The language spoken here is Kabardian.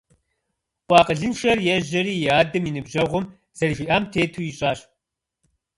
Къуэ акъылыншэр ежьэри и адэм и ныбжьэгъум зэрыжиӀам тету ищӀащ.